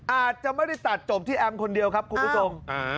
อาจจะไม่ได้ตัดจบที่แอมคนเดียวครับคุณผู้ชม